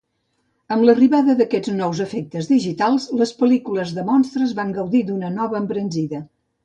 Amb l'arribada d'aquests nous efectes digitals, les pel·lícules de monstres van gaudir d'una nova embranzida.